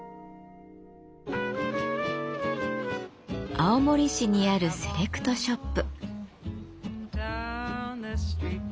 青森市にあるセレクトショップ。